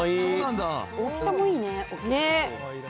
大きさもいいね。ねぇ。